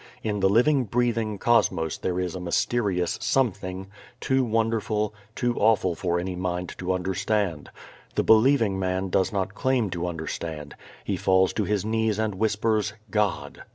In the living breathing cosmos there is a mysterious Something, too wonderful, too awful for any mind to understand. The believing man does not claim to understand. He falls to his knees and whispers, "God."